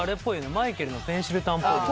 マイケルのペンシルターンっぽい。